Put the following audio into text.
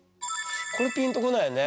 これピンとこないよね。